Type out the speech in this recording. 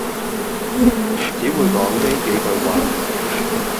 只會講呢幾句話